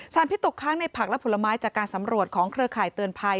พิษตกค้างในผักและผลไม้จากการสำรวจของเครือข่ายเตือนภัย